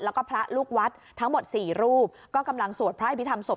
แล้วก็พระลูกวัดทั้งหมดสี่รูปก็กำลังสวดพระอภิษฐรรศพ